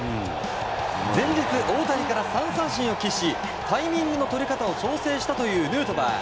前日、大谷から３三振を喫しタイミングの取り方を調整したというヌートバー。